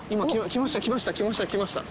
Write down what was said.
きましたきました！